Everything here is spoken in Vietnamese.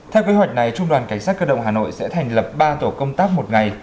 theo kế hoạch này trung đoàn cảnh sát cơ động hà nội sẽ thành lập ba tổ công tác một ngày